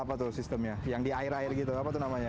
apa tuh sistemnya yang di air air gitu apa tuh namanya